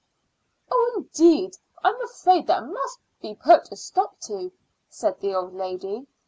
"Oh, indeed! I'm afraid that must be put a stop to," said the old lady.